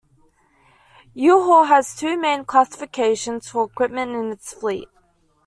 U-Haul has two main classifications for equipment in its fleet.